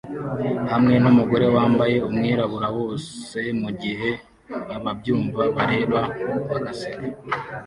hamwe numugore wambaye umwirabura wose mugihe ababyumva bareba bagaseka